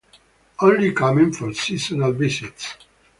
Only coming for seasonal visits.